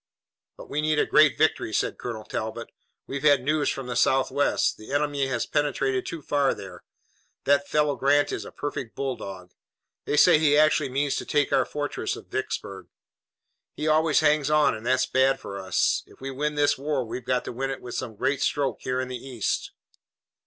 "But we need a great victory," said Colonel Talbot. "We've had news from the southwest. The enemy has penetrated too far there. That fellow Grant is a perfect bulldog. They say he actually means to take our fortress of Vicksburg. He always hangs on, and that's bad for us. If we win this war, we've got to win it with some great stroke here in the east."